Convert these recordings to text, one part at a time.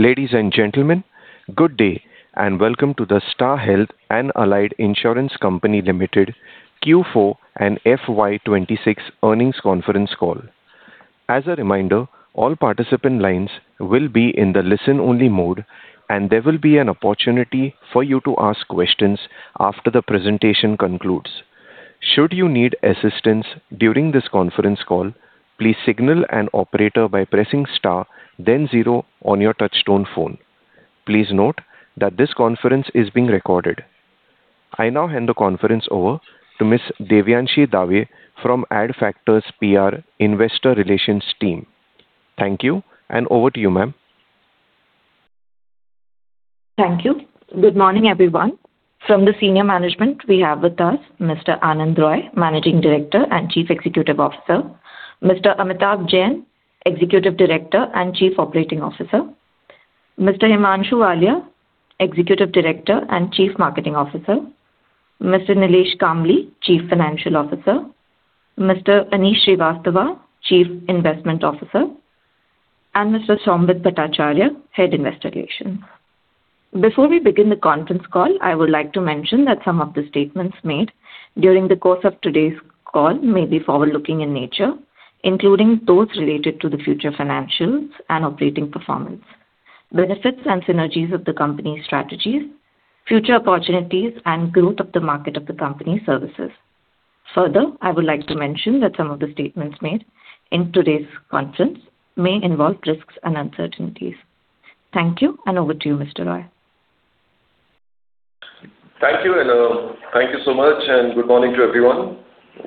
Ladies and gentlemen, good day, welcome to the Star Health and Allied Insurance Company Ltd Q4 and FY 2026 Earnings Conference Call. As a reminder, all participant lines will be in the listen only mode, and there will be an opportunity for you to ask questions after the presentation concludes. Should you need assistance during this conference call, please signal an operator by pressing star zero on your touchtone phone. Please note that this conference is being recorded. I now hand the conference over to Miss Devyanshi Dave from Adfactors PR investor relations team. Thank you, and over to you, ma'am. Thank you. Good morning, everyone. From the senior management, we have with us Mr. Anand Roy, Managing Director and Chief Executive Officer, Mr. Amitabh Jain, Executive Director and Chief Operating Officer, Mr. Himanshu Walia, Executive Director and Chief Marketing Officer, Mr. Nilesh Kambli, Chief Financial Officer, Mr. Aneesh Srivastava, Chief Investment Officer, and Mr. Sombit Bhattacharya, Head of Investor Relations. Before we begin the conference call, I would like to mention that some of the statements made during the course of today's call may be forward-looking in nature, including those related to the future financials and operating performance, benefits and synergies of the company strategies, future opportunities and growth of the market of the company services. Further, I would like to mention that some of the statements made in today's conference may involve risks and uncertainties. Thank you, and over to you, Mr. Roy. Thank you, thank you so much, good morning to everyone.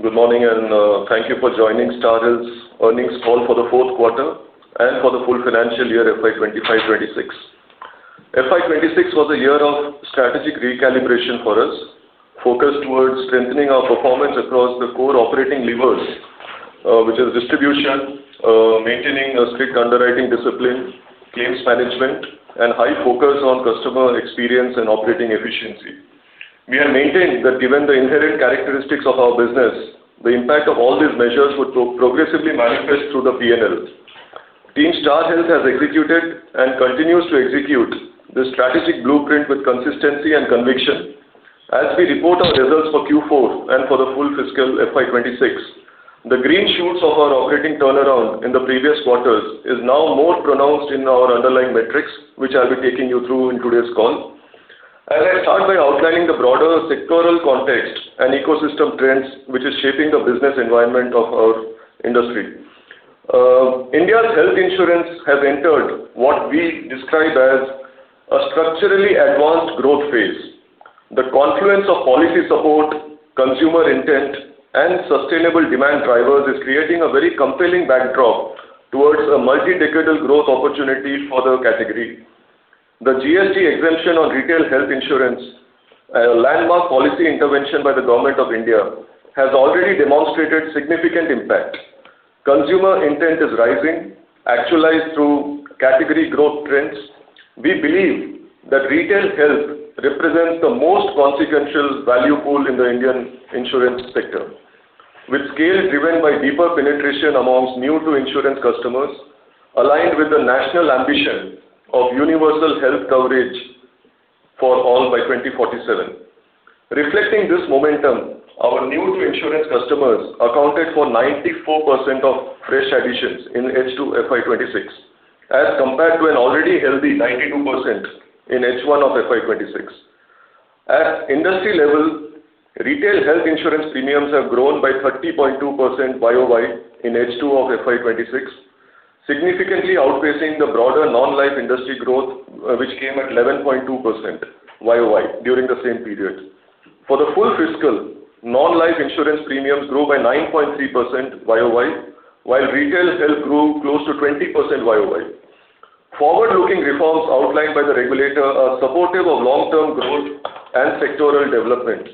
Good morning, thank you for joining Star Health's earnings call for the fourth quarter and for the full financial year FY 2025, 2026. FY 2026 was a year of strategic recalibration for us, focused towards strengthening our performance across the core operating levers, which is distribution, maintaining a strict underwriting discipline, claims management, and high focus on customer experience and operating efficiency. We have maintained that given the inherent characteristics of our business, the impact of all these measures would pro-progressively manifest through the P&L. Team Star Health has executed and continues to execute the strategic blueprint with consistency and conviction. As we report our results for Q4 and for the full fiscal FY 2026, the green shoots of our operating turnaround in the previous quarters is now more pronounced in our underlying metrics, which I'll be taking you through in today's call. As I start by outlining the broader sectoral context and ecosystem trends which is shaping the business environment of our industry. Ind AS health insurance has entered what we describe as a structurally advanced growth phase. The confluence of policy support, consumer intent, and sustainable demand drivers is creating a very compelling backdrop towards a multi-decadal growth opportunity for the category. The GST exemption on retail health insurance, a landmark policy intervention by the Government of India, has already demonstrated significant impact. Consumer intent is rising, actualized through category growth trends. We believe that retail health represents the most consequential value pool in the Indian insurance sector. With scale driven by deeper penetration amongst new to insurance customers, aligned with the national ambition of universal health coverage for all by 2047. Reflecting this momentum, our new to insurance customers accounted for 94% of fresh additions in H2 FY 2026, as compared to an already healthy 92% in H1 of FY 2026. At industry level, retail health insurance premiums have grown by 30.2% YoY in H2 of FY 2026, significantly outpacing the broader non-life industry growth, which came at 11.2% YoY during the same period. For the full fiscal, non-life insurance premiums grew by 9.3% YoY, while retail health grew close to 20% YoY. Forward-looking reforms outlined by the regulator are supportive of long-term growth and sectoral development.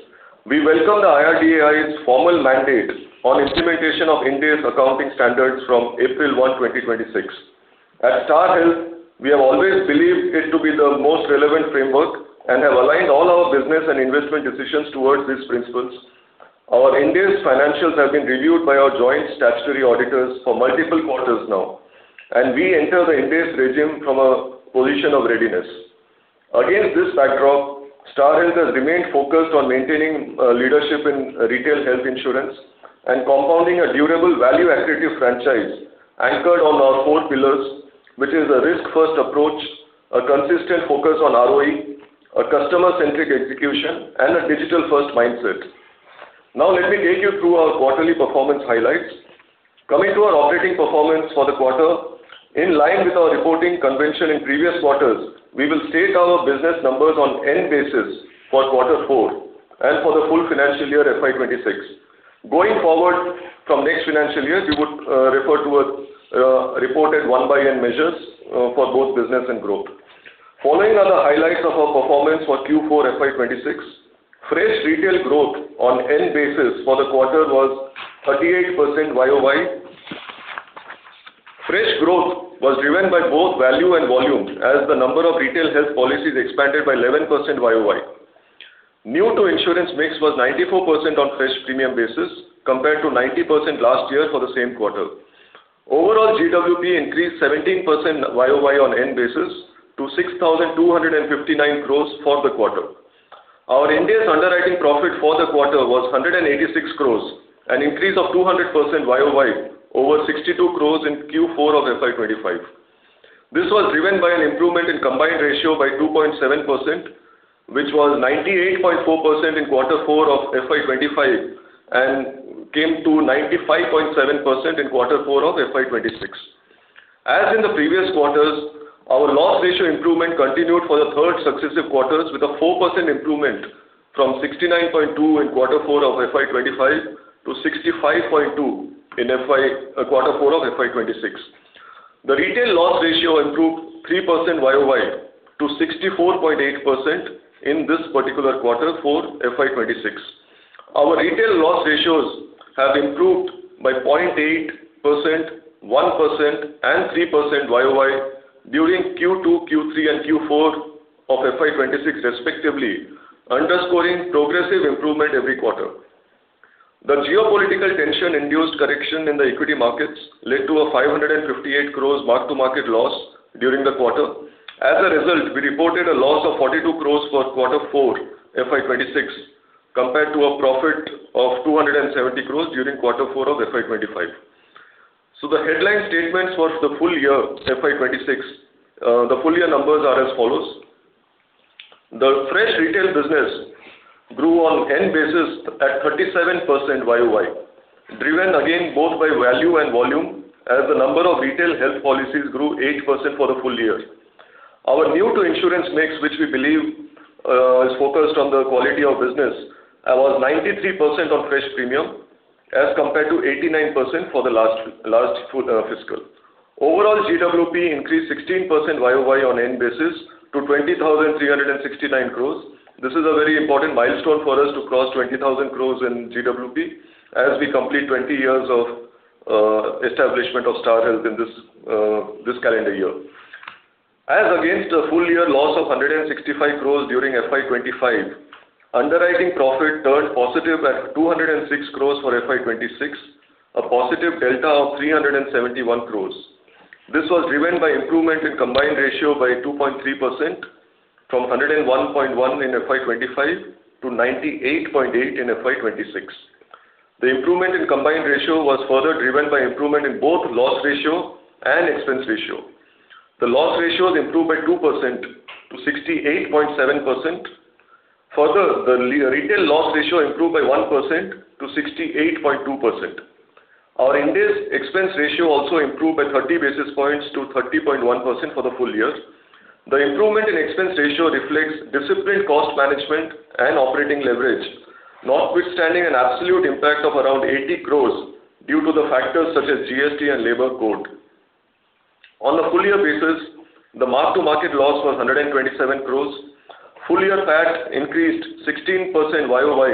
We welcome the IRDAI's formal mandate on implementation of Indian Accounting Standards from April 1, 2026. At Star Health, we have always believed it to be the most relevant framework and have aligned all our business and investment decisions towards these principles. Our Ind AS financials have been reviewed by our joint statutory auditors for multiple quarters now, and we enter the Ind AS regime from a position of readiness. Against this backdrop, Star Health has remained focused on maintaining leadership in retail health insurance and compounding a durable value additive franchise anchored on our four pillars, which is a risk-first approach, a consistent focus on ROE, a customer-centric execution, and a digital-first mindset. Let me take you through our quarterly performance highlights. Coming to our operating performance for the quarter. In line with our reporting convention in previous quarters, we will state our business numbers on NEP basis for quarter four and for the full financial year FY 2026. Going forward from next financial year, you would refer to reported one by NEP measures for both business and growth. Following are the highlights of our performance for Q4 FY 2026. Fresh retail growth on NEP basis for the quarter was 38% YoY. Fresh growth was driven by both value and volume as the number of retail health policies expanded by 11% YoY. New to insurance mix was 94% on fresh premium basis compared to 90% last year for the same quarter. Overall GWP increased 17% YoY on NEP basis to 6,259 crores for the quarter. Our Ind AS underwriting profit for the quarter was 186 crores, an increase of 200% YoY over 62 crores in Q4 of FY 2025. This was driven by an improvement in combined ratio by 2.7%, which was 98.4% in quarter four of FY 2025 and came to 95.7% in quarter four of FY 2026. As in the previous quarters, our loss ratio improvement continued for the third successive quarters with a 4% improvement from 69.2% in quarter four of FY 2025 to 65.2% in quarter four of FY 2026. The retail loss ratio improved 3% YoY to 64.8% in this particular quarter four FY 2026. Our retail loss ratios have improved by 0.8%, 1% and 3% YoY during Q2, Q3, and Q4 of FY 2026 respectively, underscoring progressive improvement every quarter. The geopolitical tension-induced correction in the equity markets led to a 558 crores mark-to-market loss during the quarter. As a result, we reported a loss of 42 crores for quarter four FY 2026 compared to a profit of 270 crores during quarter four of FY 2025. The headline statements for the full year FY 2026, the full year numbers are as follows. The fresh retail business grew on NEP basis at 37% YoY, driven again both by value and volume as the number of retail health policies grew 8% for the full year. Our new to insurance mix, which we believe, is focused on the quality of business, was 93% of fresh premium as compared to 89% for the last fiscal. Overall GWP increased 16% YoY on NEP basis to 20,369 crores. This is a very important milestone for us to cross 20,000 crores in GWP as we complete 20 years of establishment of Star Health in this calendar year. As against a full year loss of 165 crores during FY 2025, underwriting profit turned positive at 206 crores for FY 2026, a positive delta of 371 crores. This was driven by improvement in combined ratio by 2.3% from 101.1% in FY 2025 to 98.8% in FY 2026. The improvement in combined ratio was further driven by improvement in both loss ratio and expense ratio. The loss ratio has improved by 2% to 68.7%. Further, the retail loss ratio improved by 1%-68.2%. Our Ind AS expense ratio also improved by 30 basis points to 30.1% for the full year. The improvement in expense ratio reflects disciplined cost management and operating leverage, notwithstanding an absolute impact of around 80 crores due to the factors such as GST and labor code. On a full year basis, the mark-to-market loss was 127 crores. Full year PAT increased 16% YoY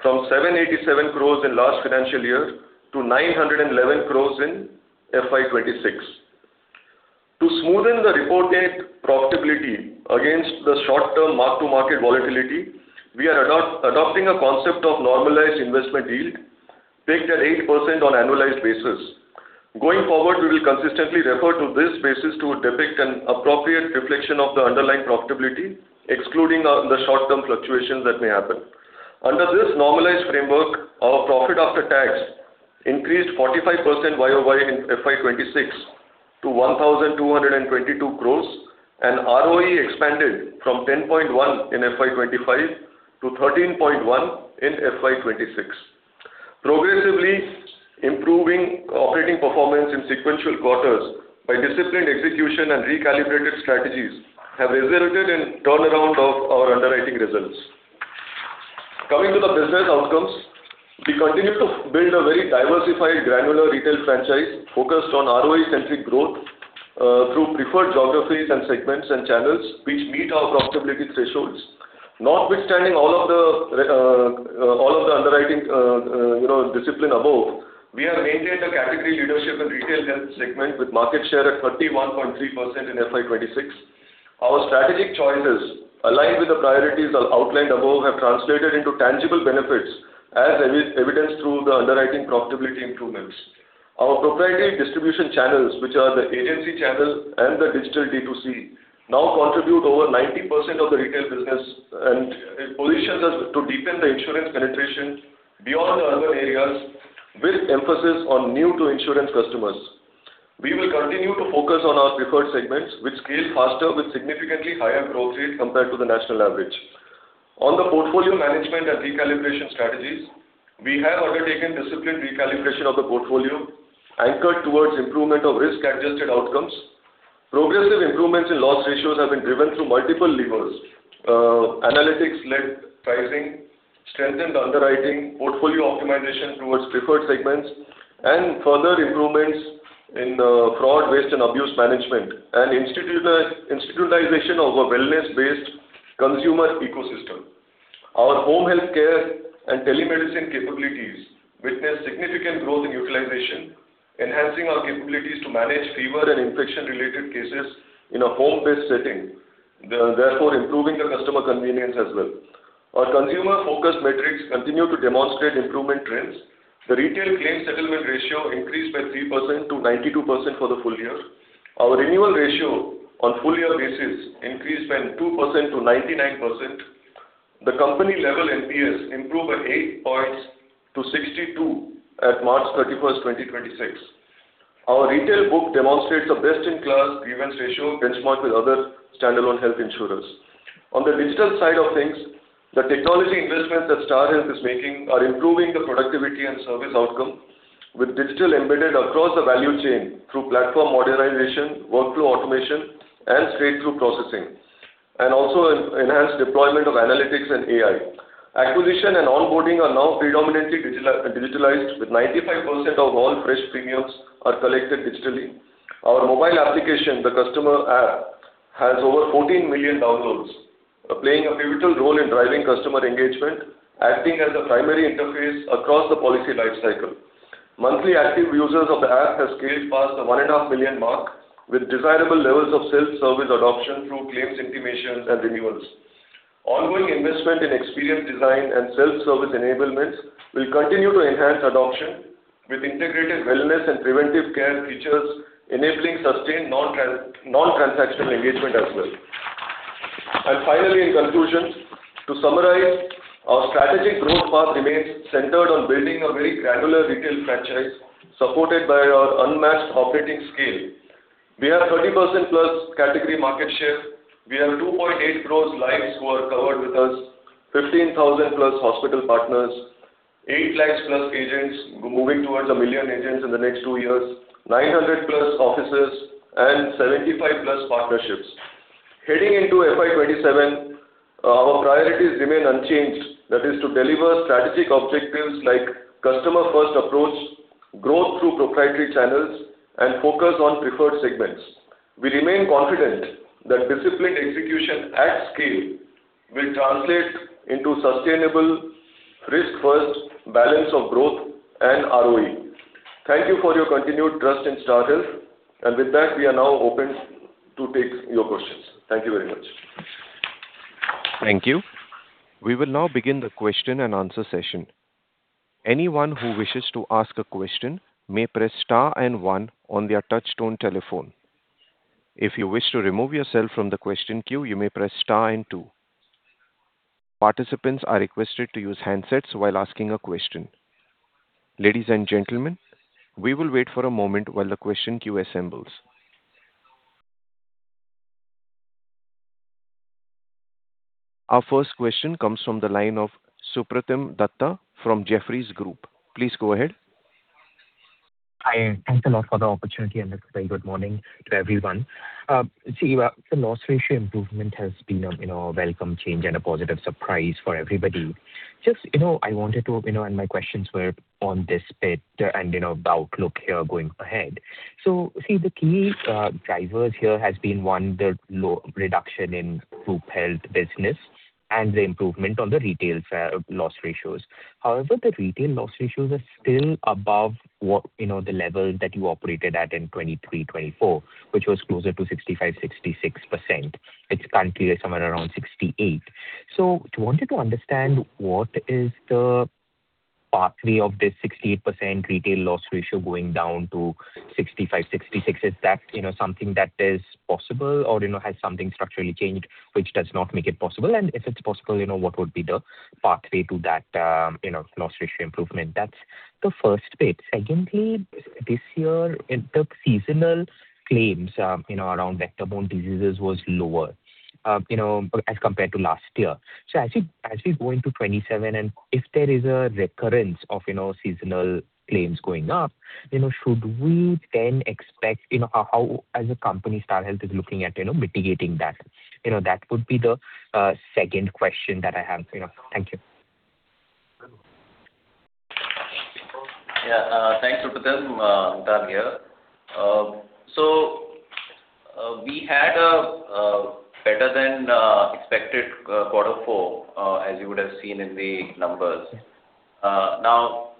from 787 crores in last financial year to 911 crores in FY 2026. To smoothen the reported profitability against the short-term mark-to-market volatility, we are adopting a concept of normalized investment yield pegged at 8% on annualized basis. Going forward, we will consistently refer to this basis to depict an appropriate reflection of the underlying profitability, excluding the short-term fluctuations that may happen. Under this normalized framework, our PAT increased 45% YoY in FY 2026 to 1,222 crores, and ROE expanded from 10.1% in FY 2025 to 13.1% in FY 2026. Progressively improving operating performance in sequential quarters by disciplined execution and recalibrated strategies have resulted in turnaround of our underwriting results. Coming to the business outcomes, we continue to build a very diversified granular retail franchise focused on ROE-centric growth through preferred geographies and segments and channels which meet our profitability thresholds. Notwithstanding all of the underwriting, you know, discipline above, we have maintained a category leadership in retail health segment with market share at 31.3% in FY 2026. Our strategic choices aligned with the priorities as outlined above have translated into tangible benefits as evidence through the underwriting profitability improvements. Our proprietary distribution channels, which are the agency channel and the digital D2C, now contribute over 90% of the retail business and it positions us to deepen the insurance penetration beyond the urban areas with emphasis on new to insurance customers. We will continue to focus on our preferred segments, which scale faster with significantly higher growth rates compared to the national average. On the portfolio management and recalibration strategies, we have undertaken disciplined recalibration of the portfolio anchored towards improvement of risk-adjusted outcomes. Progressive improvements in loss ratios have been driven through multiple levers: analytics-led pricing, strengthened underwriting, portfolio optimization towards preferred segments, and further improvements in fraud, waste, and abuse management, and institutionalization of a wellness-based consumer ecosystem. Our home healthcare and telemedicine capabilities witnessed significant growth in utilization, enhancing our capabilities to manage fever and infection related cases in a home-based setting, therefore, improving the customer convenience as well. Our consumer focused metrics continue to demonstrate improvement trends. The retail claim settlement ratio increased by 3%-92% for the full year. Our renewal ratio on full year basis increased by 2%-99%. The company level NPS improved by 8 points to 62 at March 31st, 2026. Our retail book demonstrates a best in class grievance ratio benchmarked with other standalone health insurers. On the digital side of things, the technology investments that Star Health is making are improving the productivity and service outcome with digital embedded across the value chain through platform modernization, workflow automation, and straight-through processing, and also enhanced deployment of analytics and AI. Acquisition and onboarding are now predominantly digitalized with 95% of all fresh premiums are collected digitally. Our mobile application, the customer app, has over 14 million downloads, playing a pivotal role in driving customer engagement, acting as a primary interface across the policy lifecycle. Monthly active users of the app have scaled past the 1.5 million mark with desirable levels of self-service adoption through claims intimations and renewals. Ongoing investment in experience design and self-service enablements will continue to enhance adoption with integrated wellness and preventive care features enabling sustained non-transactional engagement as well. And finally, in conclusion, to summarize, our strategic growth path remains centered on building a very granular retail franchise supported by our unmatched operating scale. We have 30%+ category market share. We have 2.8 crores lives who are covered with us, 15,000+ hospital partners, 8 lakhs+ agents moving towards 1 million agents in the next two years, 900+ offices and 75+ partnerships. Heading into FY 2027, our priorities remain unchanged. That is to deliver strategic objectives like customer first approach, growth through proprietary channels, and focus on preferred segments. We remain confident that disciplined execution at scale will translate into sustainable risk first balance of growth and ROE. Thank you for your continued trust in Star Health. And with that, we are now open to take your questions. Thank you very much. Thank you. We will now begin the question-and-answer session. Anyone who wishes to ask a question may press star and one on their touchtone telephone. If you wish to remove yourself from the question queue, you may press star and two. Participants are requested to use handsets while asking a question. Ladies and gentlemen, we will wait for a moment while the question queue assembles. Our first question comes from the line of Supratim Datta from Jefferies Group. Please go ahead. Hi, thanks a lot for the opportunity, a very good morning to everyone. See, the loss ratio improvement has been a, you know, a welcome change and a positive surprise for everybody. Just, you know, I wanted to, you know, and my questions were on this bit and, you know, the outlook here going ahead. See, the key drivers here has been, one, the reduction in group health business and the improvement on the retail loss ratios. However, the retail loss ratios are still above what, you know, the level that you operated at in 2023, 2024, which was closer to 65%-66%. It's currently somewhere around 68%. Wanted to understand what is the pathway of this 68% retail loss ratio going down to 65%-66%. Is that, you know, something that is possible or, you know, has something structurally changed which does not make it possible? If it's possible, you know, what would be the pathway to that, you know, loss ratio improvement? That's the first bit. Secondly, this year the seasonal claims, you know, around vector-borne diseases was lower, you know, as compared to last year. As you, as we go into 2027 and if there is a recurrence of, you know, seasonal claims going up, you know, should we then expect, you know, how as a company Star Health is looking at, you know, mitigating that? You know, that would be the second question that I have. You know, thank you. Thanks, Supratim. Amitabh here. We had a better than expected quarter four, as you would have seen in the numbers. Now,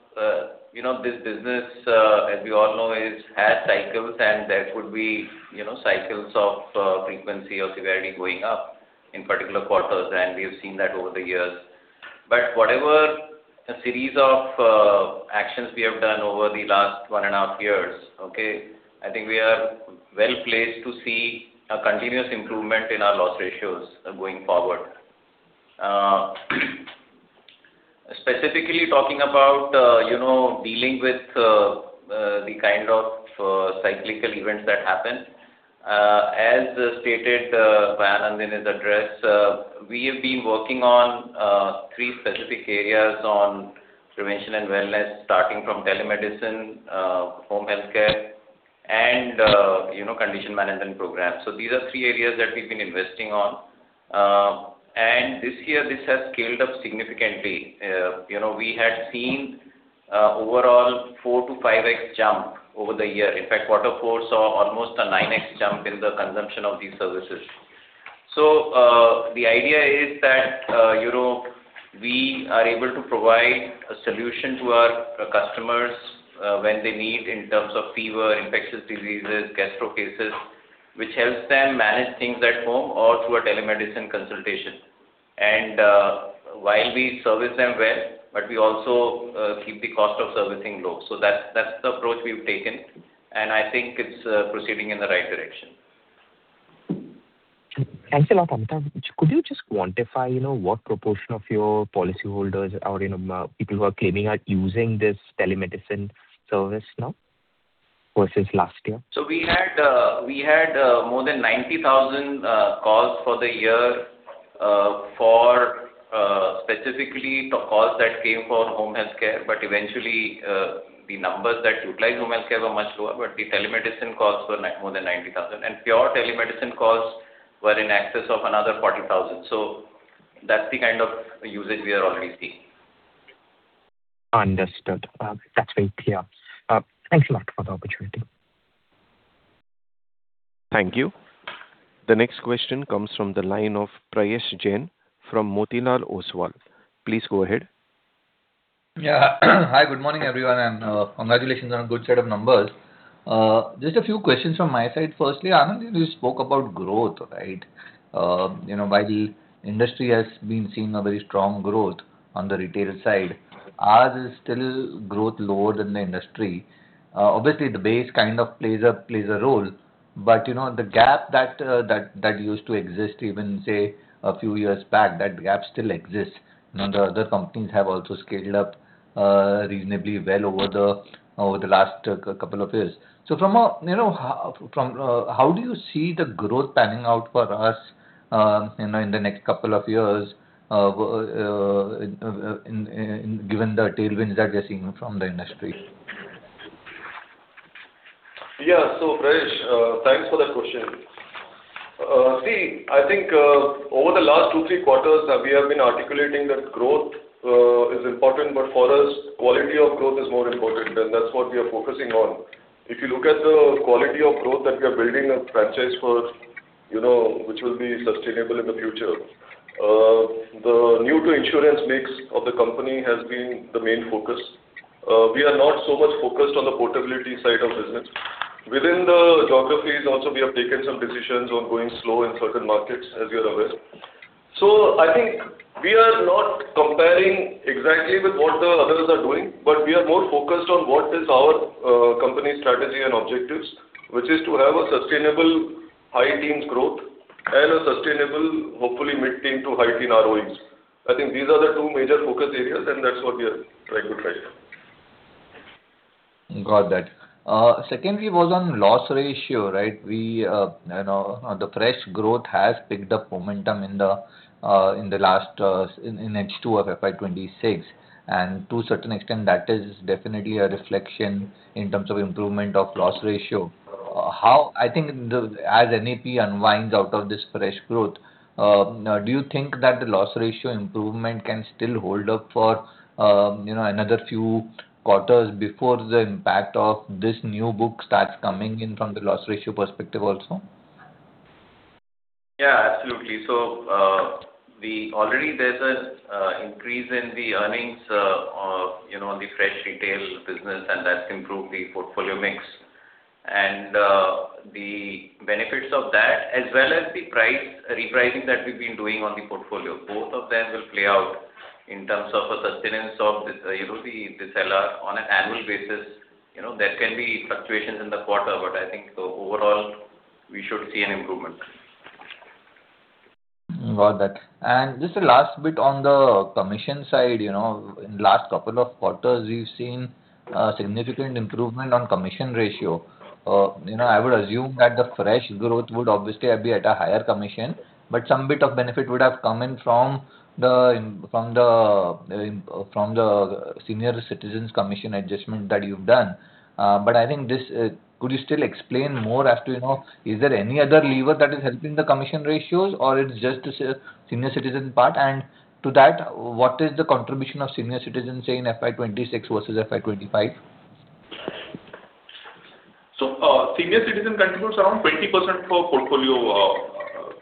you know, this business, as we all know, has cycles, and there could be, you know, cycles of frequency or severity going up in particular quarters, and we have seen that over the years. Whatever series of actions we have done over the last one and a half years, okay, I think we are well-placed to see a continuous improvement in our loss ratios going forward. Specifically talking about, you know, dealing with the kind of cyclical events that happen. As stated by Anand in his address, we have been working on three specific areas on prevention and wellness, starting from telemedicine, home healthcare and, you know, condition management programs. These are three areas that we've been investing on. This year this has scaled up significantly. You know, we had seen overall 4x-5x jump over the year. In fact, quarter four saw almost a 9x jump in the consumption of these services. The idea is that, you know, we are able to provide a solution to our customers when they need in terms of fever, infectious diseases, gastro cases, which helps them manage things at home or through a telemedicine consultation. While we service them well, we also keep the cost of servicing low. That's the approach we've taken, and I think it's proceeding in the right direction. Thanks a lot, Amitabh. Could you just quantify, you know, what proportion of your policyholders or, you know, people who are claiming are using this telemedicine service now versus last year? We had more than 90,000 calls for the year, for specifically the calls that came for home health care. Eventually, the numbers that utilized home health care were much lower, but the telemedicine calls were more than 90,000. Pure telemedicine calls were in excess of another 40,000. That's the kind of usage we are already seeing. Understood. That's very clear. Thanks a lot for the opportunity. Thank you. The next question comes from the line of Prayesh Jain from Motilal Oswal. Please go ahead. Hi, good morning, everyone, and congratulations on a good set of numbers. Just a few questions from my side. Firstly, Anand, you spoke about growth, right? You know, while the industry has been seeing a very strong growth on the retail side, ours is still growth lower than the industry. Obviously the base kind of plays a role, but, you know, the gap that used to exist even, say, a few years back, that gap still exists. You know, the other companies have also scaled up, reasonably well over the last couple of years. You know, how do you see the growth panning out for us, you know, in the next couple of years, in given the tailwinds that we are seeing from the industry? Yeah. Prayesh, thanks for that question. See, I think, over the last two, three quarters, we have been articulating that growth is important, but for us, quality of growth is more important, and that's what we are focusing on. If you look at the quality of growth that we are building a franchise for, you know, which will be sustainable in the future, the new to insurance mix of the company has been the main focus. We are not so much focused on the portability side of business. Within the geographies also, we have taken some decisions on going slow in certain markets, as you're aware. I think we are not comparing exactly with what the others are doing, but we are more focused on what is our company strategy and objectives, which is to have a sustainable high-teens growth and a sustainable, hopefully mid-teen to high-teen ROEs. I think these are the two major focus areas, and that's what we are trying to chase. Got that. Secondly was on loss ratio, right? We, you know, the fresh growth has picked up momentum in the last in H2 of FY 2026. To a certain extent, that is definitely a reflection in terms of improvement of loss ratio. I think the As NEP unwinds out of this fresh growth, do you think that the loss ratio improvement can still hold up for, you know, another few quarters before the impact of this new book starts coming in from the loss ratio perspective also? Absolutely. Already there's an increase in the earnings, you know, on the fresh retail business, and that's improved the portfolio mix. The benefits of that as well as the repricing that we've been doing on the portfolio, both of them will play out in terms of a sustenance of this, you know, this LR on an annual basis. You know, there can be fluctuations in the quarter, but I think overall we should see an improvement. Got that. Just a last bit on the commission side. You know, in last couple of quarters, we've seen a significant improvement on commission ratio. You know, I would assume that the fresh growth would obviously be at a higher commission, but some bit of benefit would have come in from the senior citizens commission adjustment that you've done. Could you still explain more as to, you know, is there any other lever that is helping the commission ratios or it's just the senior citizen part? To that, what is the contribution of senior citizens, say, in FY 2026 versus FY 2025? Senior citizen contributes around 20% for portfolio,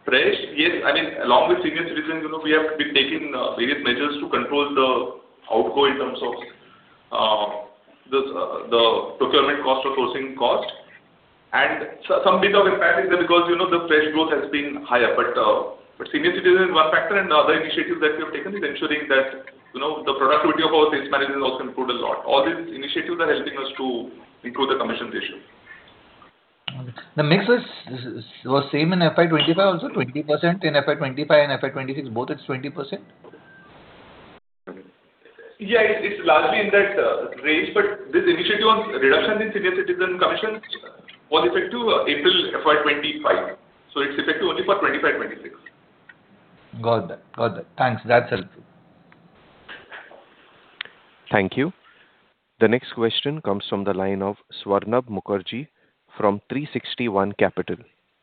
fresh. Yes, I mean, along with senior citizen, you know, we have been taking various measures to control the outgo in terms of the procurement cost or sourcing cost. Some bit of impact is there because, you know, the fresh growth has been higher. Senior citizen is one factor, and the other initiative that we have taken is ensuring that, you know, the productivity of our sales managers also improved a lot. All these initiatives are helping us to improve the commission ratio. The mix was same in FY 2025 also, 20% in FY 2025 and FY 2026, both it's 20%? Yeah, it's largely in that range, but this initiative on reduction in senior citizen commission was effective April FY 2025, so it's effective only for 2025, 2026. Got that. Got that. Thanks. That's helpful. Thank you. The next question comes from the line of Swarnabha Mukherjee from 360 ONE Capital.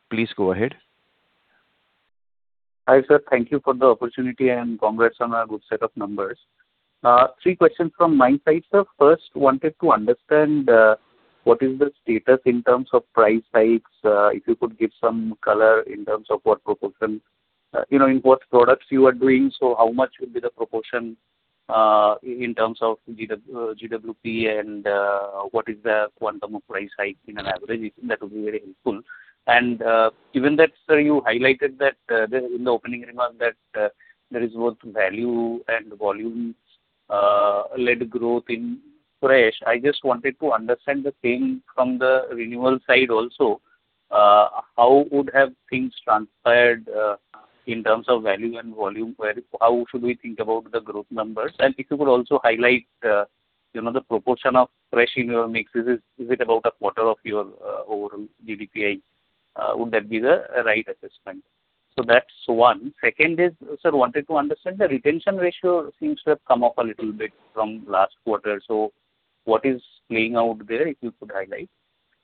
Please go ahead. Hi, sir. Thank you for the opportunity, and congrats on a good set of numbers. Three questions from my side, sir. First, wanted to understand what is the status in terms of price hikes. If you could give some color in terms of what proportion, you know, in what products you are doing. How much would be the proportion in terms of GWP, and what is the quantum of price hike in an average? If that would be very helpful. Given that, sir, you highlighted that in the opening remark that there is both value and volume led growth in fresh, I just wanted to understand the same from the renewal side also. How would have things transpired in terms of value and volume, how should we think about the growth numbers? If you could also highlight, you know, the proportion of fresh in your mix. Is it about a quarter of your overall GWP? Would that be the right assessment? That's one. Second is, sir, wanted to understand the retention ratio seems to have come up a little bit from last quarter. What is playing out there, if you could highlight.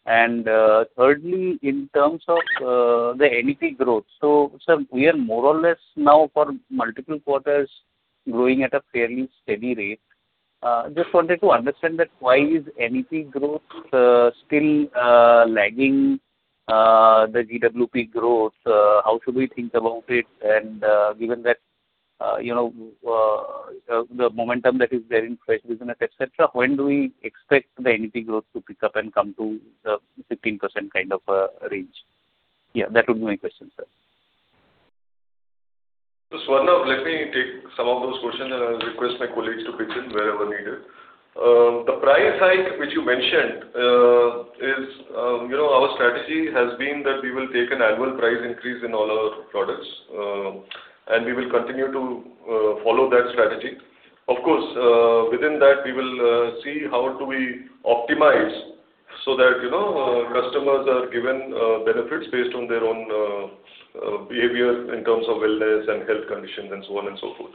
Thirdly, in terms of the AEP growth. Sir, we are more or less now for multiple quarters growing at a fairly steady rate. Just wanted to understand that why is AEP growth still lagging the GWP growth? How should we think about it? Given that, you know, the momentum that is there in fresh business, et cetera, when do we expect the AEP growth to pick up and come to the 15% kind of, range? That would be my question, sir. Swarnabha, let me take some of those questions and I'll request my colleagues to pitch in wherever needed. The price hike which you mentioned is, you know, our strategy has been that we will take an annual price increase in all our products, and we will continue to follow that strategy. Of course, within that we will see how to be optimized so that, you know, customers are given benefits based on their own behavior in terms of wellness and health conditions and so on and so forth.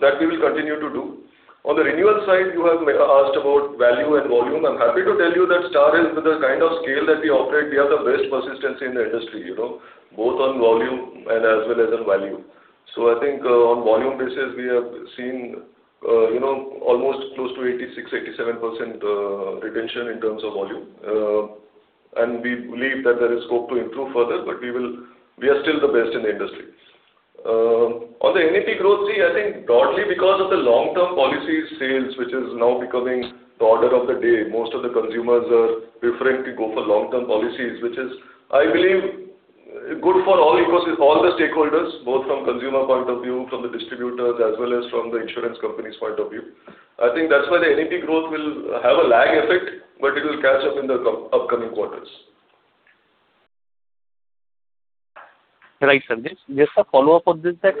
That we will continue to do. On the renewal side, you have asked about value and volume. I'm happy to tell you that Star Health, with the kind of scale that we operate, we have the best persistence in the industry, you know, both on volume and as well as on value. I think, on volume basis, we have seen, you know, almost close to 86%, 87% retention in terms of volume. We believe that there is scope to improve further, but we are still the best in the industry. On the AEP growth, see, I think broadly because of the long-term policy sales, which is now becoming the order of the day, most of the consumers are preferring to go for long-term policies, which is, I believe, good for all ecosystem, all the stakeholders, both from consumer point of view, from the distributors, as well as from the insurance company's point of view. I think that's why the AEP growth will have a lag effect, but it will catch up in the upcoming quarters. Right, sir. Just a follow-up on this, that,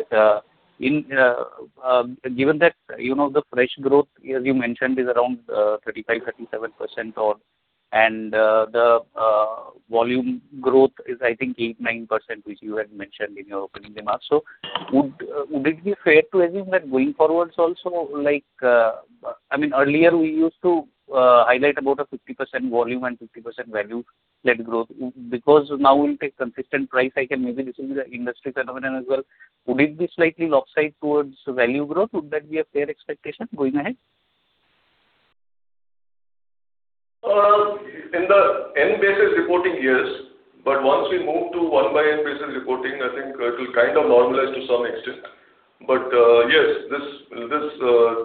given that, you know, the fresh growth, as you mentioned, is around 35%-37% and the volume growth is, I think, 8%-9%, which you had mentioned in your opening remarks. Would it be fair to assume that going forwards also, like, I mean, earlier we used to highlight about a 50% volume and 50% value led growth. Now we'll take consistent price hike, and maybe this will be the industry phenomenon as well. Would it be slightly lopsided towards value growth? Would that be a fair expectation going ahead? In the NEP basis reporting, yes. Once we move to one by NEP basis reporting, I think it will kind of normalize to some extent. Yes, this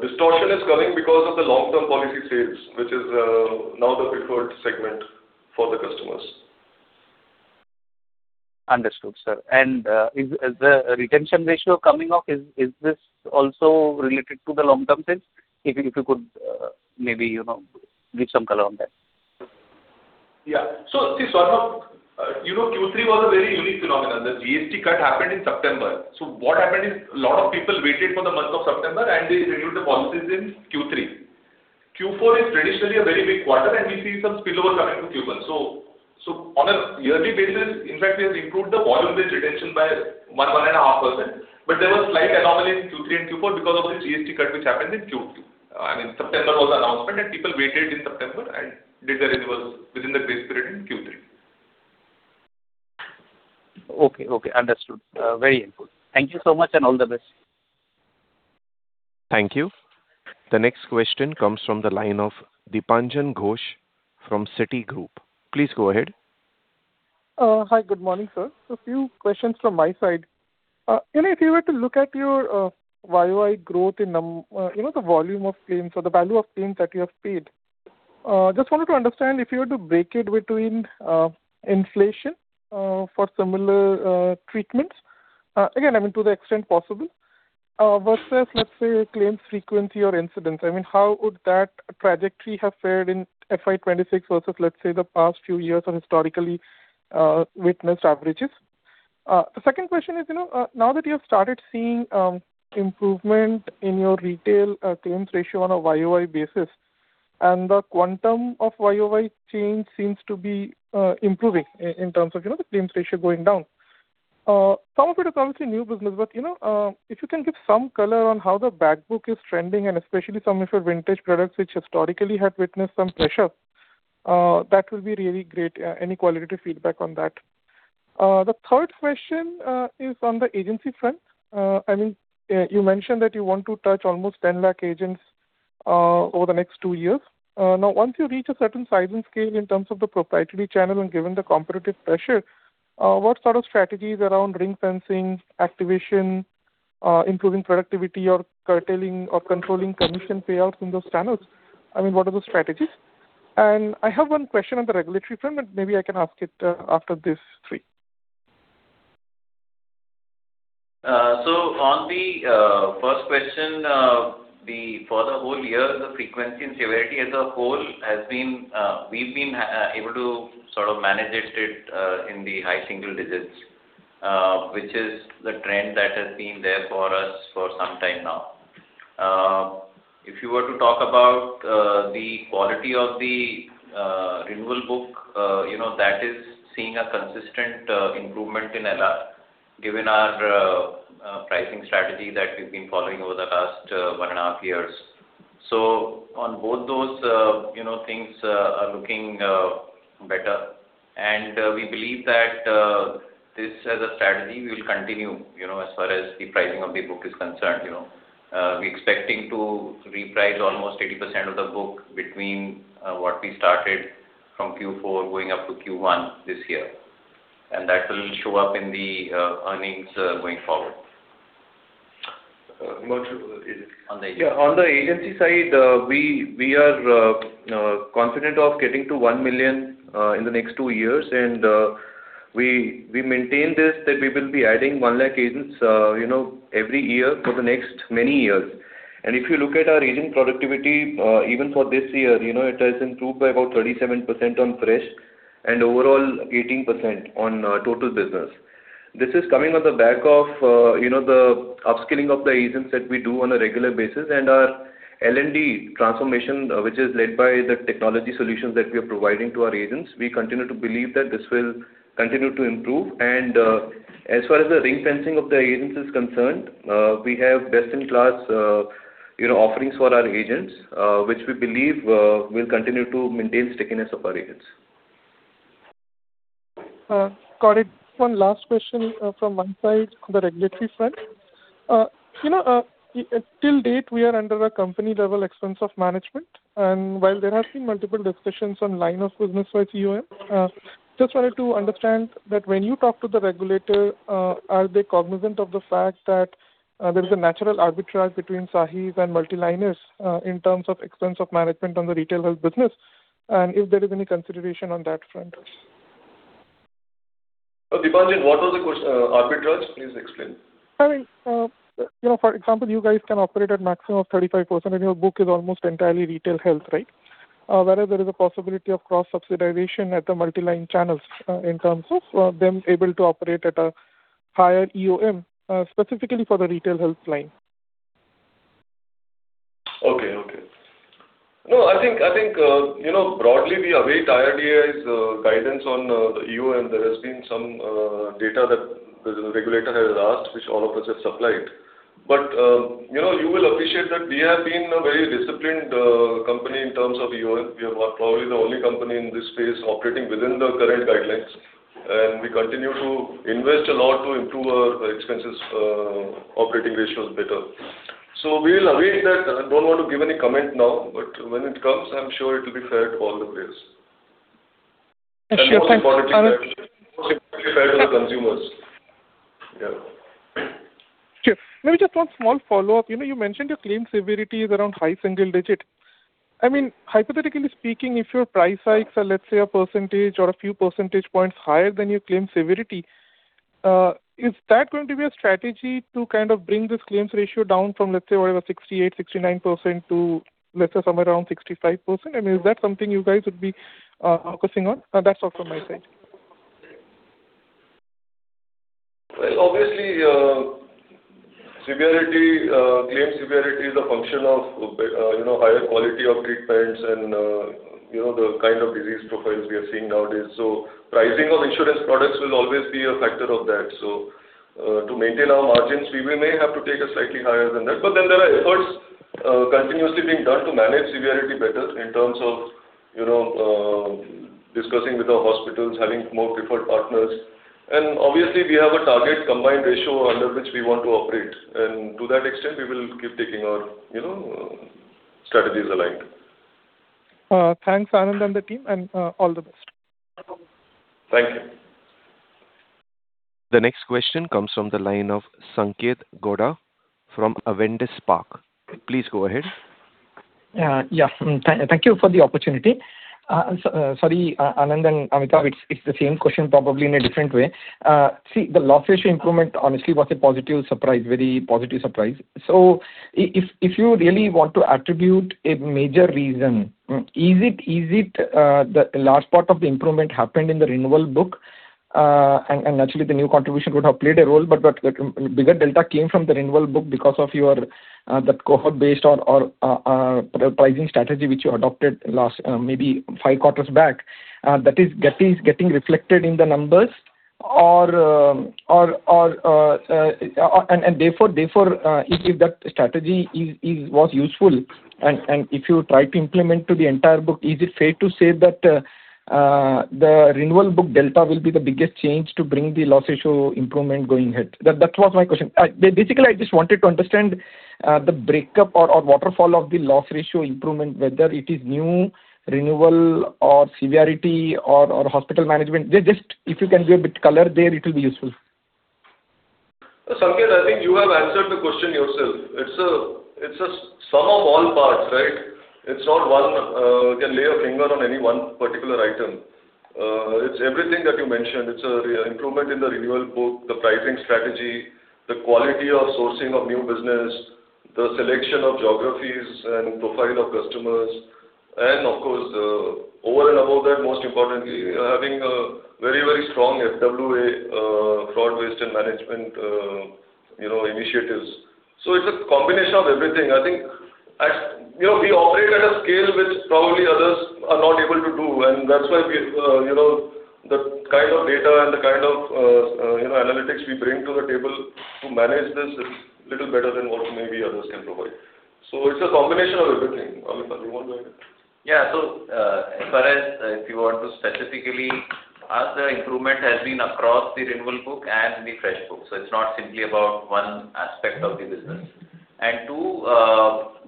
distortion is coming because of the long-term policy sales, which is now the preferred segment for the customers. Understood, sir. Is the retention ratio coming up, is this also related to the long-term sales? If you, if you could, maybe, you know, give some color on that. Yeah. See, Swarnabha, you know, Q3 was a very unique phenomenon. The GST cut happened in September. What happened is a lot of people waited for the month of September, and they renewed the policies in Q3. Q4 is traditionally a very big quarter, and we see some spillover coming to Q1. On a yearly basis, in fact, we have improved the volume-based retention by 1.5%. There was slight anomaly in Q3 and Q4 because of the GST cut which happened in Q3. I mean, September was the announcement, and people waited in September and did the renewals within the grace period in Q3. Okay. Okay. Understood. Very helpful. Thank you so much and all the best. Thank you. The next question comes from the line of Dipanjan Ghosh from Citigroup. Please go ahead. Hi. Good morning, sir. A few questions from my side. You know, if you were to look at your YoY growth in, you know, the volume of claims or the value of claims that you have paid, just wanted to understand if you were to break it between inflation for similar treatments, again, I mean, to the extent possible, versus, let's say, claims frequency or incidence. I mean, how would that trajectory have fared in FY 2026 versus, let's say, the past few years or historically witnessed averages? The second question is, you know, now that you have started seeing improvement in your retail claims ratio on a YoY basis, and the quantum of YoY change seems to be improving in terms of, you know, the claims ratio going down. Some of it is obviously new business, but, you know, if you can give some color on how the back book is trending, and especially some of your vintage products which historically have witnessed some pressure, that will be really great. Any qualitative feedback on that? The third question is on the agency front. I mean, you mentioned that you want to touch almost 10 lakh agents over the next two years. Now, once you reach a certain size and scale in terms of the proprietary channel and given the competitive pressure, what sort of strategies around ring fencing, activation, improving productivity or curtailing or controlling commission payouts in those channels? I mean, what are the strategies? I have one question on the regulatory front, but maybe I can ask it after this three. So on the first question, for the whole year, the frequency and severity as a whole has been, we've been able to sort of manage it in the high single digits, which is the trend that has been there for us for some time now. If you were to talk about the quality of the renewal book, you know, that is seeing a consistent improvement in LR given our pricing strategy that we've been following over the last one and a half years. So on both those, you know, things are looking better. We believe that this as a strategy will continue, you know, as far as the pricing of the book is concerned, you know. We're expecting to reprice almost 80% of the book between what we started from Q4 going up to Q1 this year. That will show up in the earnings going forward. Uh, On the agency. Yeah, on the agency side, we are confident of getting to 1 million in the next two years. We, we maintain this, that we will be adding 1 lakh agents, you know, every year for the next many years. If you look at our agent productivity, even for this year, you know, it has improved by about 37% on fresh and overall 18% on total business. This is coming on the back of, you know, the upskilling of the agents that we do on a regular basis and our L&D transformation, which is led by the technology solutions that we are providing to our agents. We continue to believe that this will continue to improve. As far as the ring fencing of the agents is concerned, we have best in class, you know, offerings for our agents, which we believe, will continue to maintain stickiness of our agents. Got it. One last question from my side on the regulatory front. Till date, we are under a company level Expense of Management. While there have been multiple discussions on line of business with EoM, just wanted to understand that when you talk to the regulator, are they cognizant of the fact that there is a natural arbitrage between SAHI and multiliners in terms of Expense of Management on the retail health business, and if there is any consideration on that front? Dipanjan, what was the arbitrage? Please explain. I mean, you know, for example, you guys can operate at maximum of 35% and your book is almost entirely retail health, right? Whereas there is a possibility of cross-subsidization at the multiline channels, in terms of them able to operate at a higher EoM, specifically for the retail health line. Okay, okay. No, I think, I think, you know, broadly, we await IRDAI's guidance on the EoM. There has been some data that the regulator has asked, which all of us have supplied. You know, you will appreciate that we have been a very disciplined company in terms of EoM. We are probably the only company in this space operating within the current guidelines, and we continue to invest a lot to improve our expenses, operating ratios better. We'll await that. I don't want to give any comment now, but when it comes, I'm sure it'll be fair to all the players. Sure. Thanks, Anand. Most importantly fair to the consumers. Yeah. Sure. Maybe just one small follow-up. You know, you mentioned your claim severity is around high single digit. I mean, hypothetically speaking, if your price hikes are, let's say, a percentage or a few percentage points higher than your claim severity, is that going to be a strategy to kind of bring this claims ratio down from, let's say, whatever, 68%, 69% to, let's say, somewhere around 65%? I mean, is that something you guys would be focusing on? That's all from my side. Well, obviously, severity, claim severity is a function of, you know, higher quality of treatments and, you know, the kind of disease profiles we are seeing nowadays. Pricing of insurance products will always be a factor of that. To maintain our margins, we may have to take a slightly higher than that. There are efforts continuously being done to manage severity better in terms of, you know, discussing with our hospitals, having more preferred partners. Obviously, we have a target combined ratio under which we want to operate. To that extent, we will keep taking our, you know, strategies aligned. Thanks, Anand and the team, and, all the best. Thank you. The next question comes from the line of Sanketh Godha from Avendus Spark. Please go ahead. Yeah. Thank you for the opportunity. Sorry, Anand and Amitabh, it's the same question probably in a different way. The loss ratio improvement honestly was a positive surprise, very positive surprise. If you really want to attribute a major reason, is it the large part of the improvement happened in the renewal book? And actually the new contribution would have played a role, but the bigger delta came from the renewal book because of your that cohort based or pricing strategy which you adopted last maybe five quarters back. That is getting reflected in the numbers or, and therefore, if that strategy was useful and if you try to implement to the entire book, is it fair to say that the renewal book delta will be the biggest change to bring the loss ratio improvement going ahead. That was my question. I basically, I just wanted to understand the breakup or waterfall of the loss ratio improvement, whether it is new renewal or severity or hospital management. Just if you can give a bit color there, it will be useful. Sanketh, I think you have answered the question yourself. It's a sum of all parts, right? It's not one can lay a finger on any one particular item. It's everything that you mentioned. It's improvement in the renewal book, the pricing strategy, the quality of sourcing of new business, the selection of geographies and profile of customers. And of course, over and above that, most importantly, having a very, very strong FWA, fraud, waste, and management, you know, initiatives. So it's a combination of everything. I think, you know, we operate at a scale which probably others are not able to do, and that's why we, you know, the kind of data and the kind of, you know, analytics we bring to the table to manage this is little better than what maybe others can provide. It's a combination of everything. Amitabh, do you want to add it? As far as if you want to specifically ask, the improvement has been across the renewal book and the fresh book. It's not simply about one aspect of the business. Two,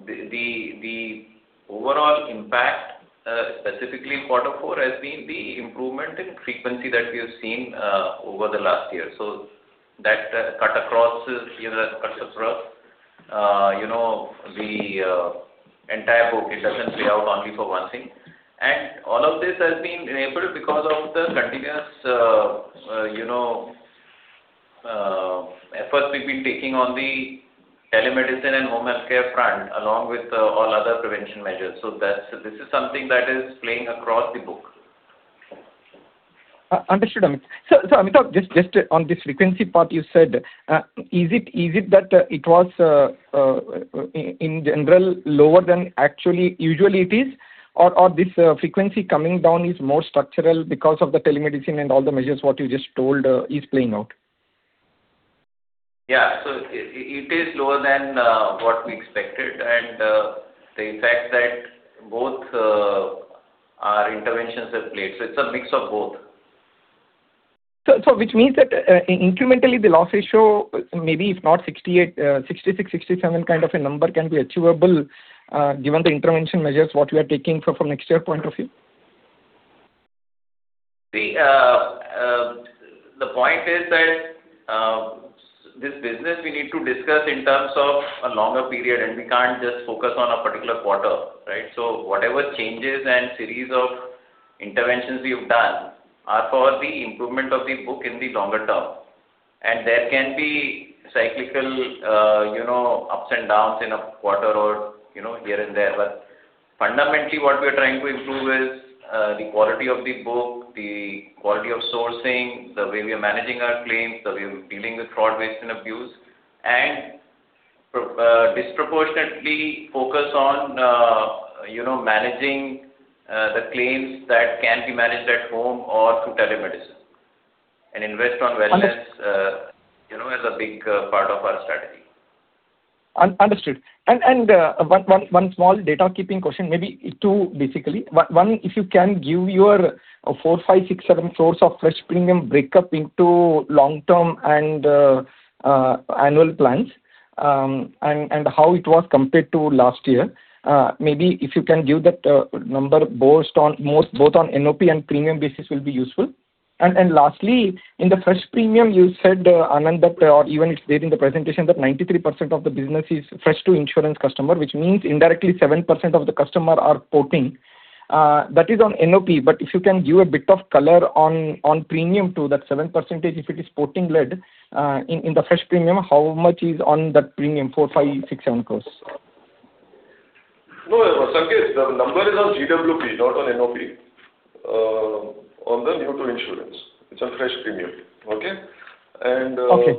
the overall impact, specifically in quarter four has been the improvement in frequency that we have seen, over the last year. That cuts across, you know, the entire book. It doesn't play out only for one thing. All of this has been enabled because of the continuous, you know, efforts we've been taking on the telemedicine and home health care front, along with, all other prevention measures. This is something that is playing across the book. Understood, Amit. Amit, just on this frequency part you said, is it that it was in general lower than actually usually it is or this frequency coming down is more structural because of the telemedicine and all the measures what you just told, is playing out? Yeah. It is lower than what we expected and the fact that both our interventions have played. It's a mix of both. Which means that incrementally the loss ratio maybe if not 68%, 66%, 67% kind of a number can be achievable, given the intervention measures what you are taking from next year point of view? The point is that this business we need to discuss in terms of a longer period, we can't just focus on a particular quarter, right? Whatever changes and series of interventions we have done are for the improvement of the book in the longer term. There can be cyclical, you know, ups and downs in a quarter or, you know, here and there. Fundamentally, what we're trying to improve is the quality of the book, the quality of sourcing, the way we are managing our claims, the way we're dealing with fraud, waste, and abuse, disproportionately focus on, you know, managing the claims that can be managed at home or through telemedicine and invest on wellness. Under- You know, as a big, part of our strategy. One small data keeping question, maybe two basically. If you can give your 4, 5, 6, 7 crores of fresh premium breakup into long term and annual plans, how it was compared to last year. Maybe if you can give that number both on NOP and premium basis will be useful. Lastly, in the fresh premium, you said Anand, that or even it's there in the presentation, that 93% of the business is fresh to insurance customer, which means indirectly 7% of the customer are porting. That is on NOP. If you can give a bit of color on premium to that 7%, if it is porting led, in the fresh premium, how much is on that premium, 4, 5, 6, 7 crores? No, Sanketh, the number is on GWP, not on NOP, on the new to insurance. It's on fresh premium. Okay? Okay.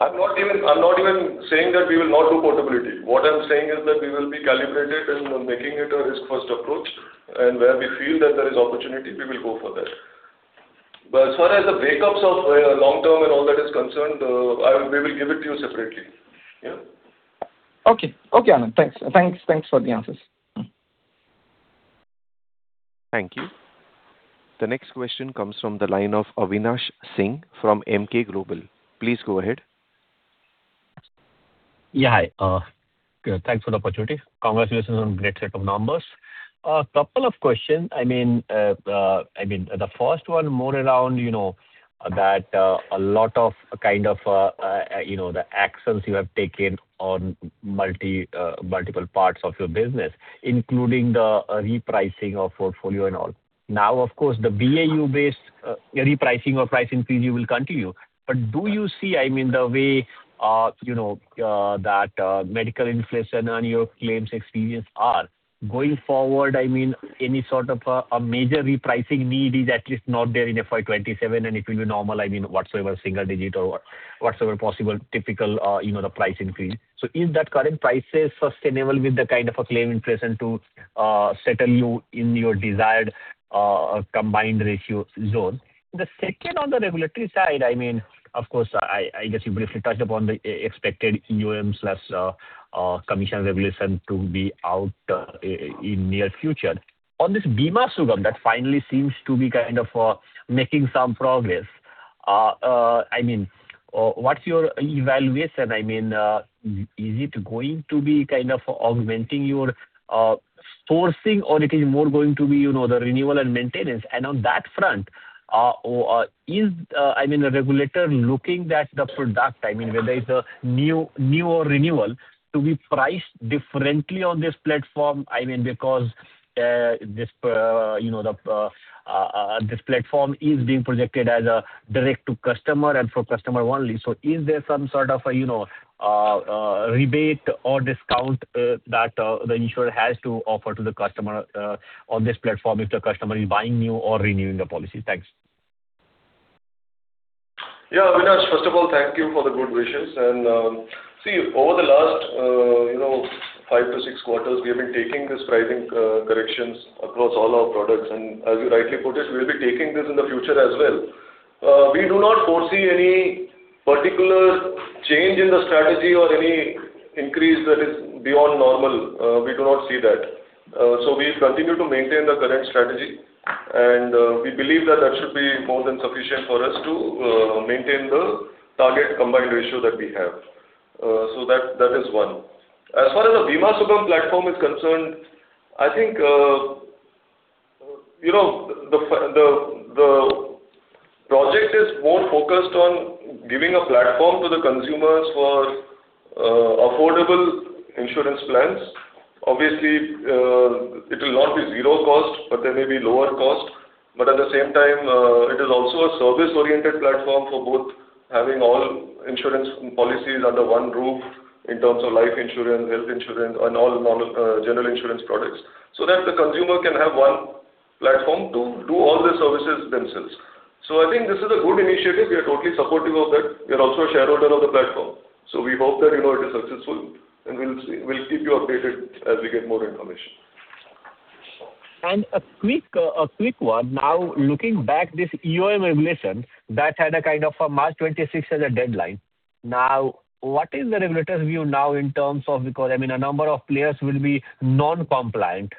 I'm not even saying that we will not do portability. What I'm saying is that we will be calibrated in making it a risk first approach, and where we feel that there is opportunity, we will go for that. As far as the breakups of long term and all that is concerned, we will give it to you separately. Okay. Okay, Anand. Thanks. Thanks for the answers. Thank you. The next question comes from the line of Avinash Singh from Emkay Global. Please go ahead. Yeah. Hi. Thanks for the opportunity. Congratulations on great set of numbers. A couple of questions. I mean, the first one more around, you know, that a lot of kind of, you know, the actions you have taken on multiple parts of your business, including the repricing of portfolio and all. Now, of course, the BAU based repricing or price increase you will continue. Do you see, I mean, the way, you know, that medical inflation on your claims experience are going forward, I mean, any sort of a major repricing need is at least not there in FY 2027 and it will be normal, I mean, whatsoever single-digit or whatsoever possible typical, you know, the price increase. Is that current prices sustainable with the kind of a claim inflation to settle you in your desired combined ratio zone? The second on the regulatory side, of course, I guess you briefly touched upon the expected commission regulation to be out in near future. On this Bima Sugam that finally seems to be kind of making some progress. I mean, what's your evaluation? I mean, is it going to be kind of augmenting your sourcing or it is more going to be, you know, the renewal and maintenance? On that front, is the regulator looking at the product, whether it's a new or renewal to be priced differently on this platform? I mean, because this, you know, this platform is being projected as a direct to customer and for customer only. Is there some sort of, you know, rebate or discount that the insurer has to offer to the customer on this platform if the customer is buying new or renewing the policy? Thanks. Avinash, first of all, thank you for the good wishes. See, over the last five to six quarters, we have been taking this pricing corrections across all our products. As you rightly put it, we will be taking this in the future as well. We do not foresee any particular change in the strategy or any increase that is beyond normal. We do not see that. We continue to maintain the current strategy, we believe that that should be more than sufficient for us to maintain the target combined ratio that we have. That is one. As far as the Bima Sugam platform is concerned, I think the project is more focused on giving a platform to the consumers for affordable insurance plans. Obviously, it will not be zero cost, there may be lower cost. It is also a service-oriented platform for both having all insurance policies under one roof in terms of life insurance, health insurance, and all normal general insurance products, so that the consumer can have one platform to do all the services themselves. I think this is a good initiative. We are totally supportive of that. We are also a shareholder of the platform. We hope that, you know, it is successful and we'll see. We'll keep you updated as we get more information. A quick one. Looking back, this EoM regulation that had a kind of a March 26th as a deadline. What is the regulator's view now in terms of-- because, I mean, a number of players will be non-compliant.